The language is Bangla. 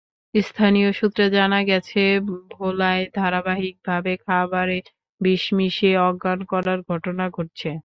স্থানীয় সূত্রে জানা গেছে, ভোলায় ধারাবাহিকভাবে খাবারে বিষ মিশিয়ে অজ্ঞান করার ঘটনা ঘটছে।